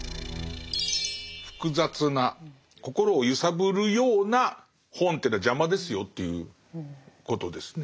複雑な心を揺さぶるような本ってのは邪魔ですよっていうことですね。